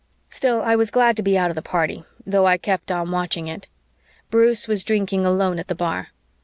Still, I was glad to be out of the party, though I kept on watching it. Bruce was drinking alone at the bar.